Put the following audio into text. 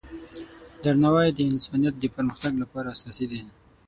درناوی د انسانیت د پرمختګ لپاره اساسي دی.